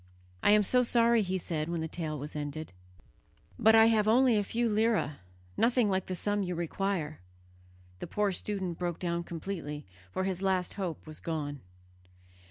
"I am so sorry," he said when the tale was ended, "but I have only a few lire, nothing like the sum you require." The poor student broke down completely, for his last hope was gone.